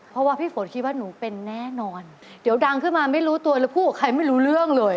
เพราะว่าพี่ฝนคิดว่าหนูเป็นแน่นอนเดี๋ยวดังขึ้นมาไม่รู้ตัวเลยพูดกับใครไม่รู้เรื่องเลย